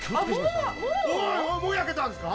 うわもう焼けたんですか？